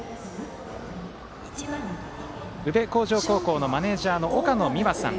宇部鴻城高校のマネージャーの岡野美和さん。